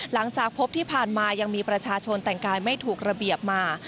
หลังจากพบที่ผ่านมายังมีประชาชนแต่งกายไม่ถูกระเบียบมา